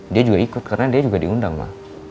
dia juga ikut karena dia juga diundang mah